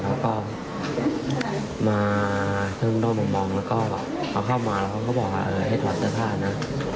แล้วก็มาเครื่องด้อมองแล้วก็เขาเข้ามาแล้วก็บอกว่าเออให้ถอดเสื้อผ้านะ